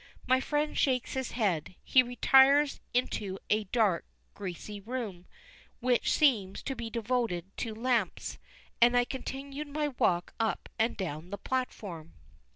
My friend shakes his head, he retires into a dark, greasy room, which seems to be devoted to lamps, and I continue my walk up and down the platform.